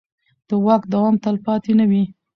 د واک دوام تلپاتې نه وي